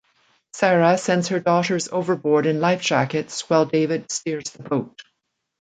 Sarah sends her daughters overboard in life jackets while David steers the boat.